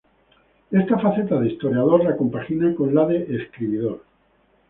Esta faceta de historiador la compagina con la de escritor.